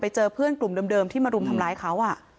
เจอเพื่อนกลุ่มเดิมที่มารุมทำร้ายเขา